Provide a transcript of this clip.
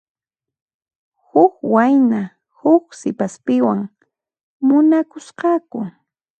Huk wayna huk sipaspiwan munakusqaku.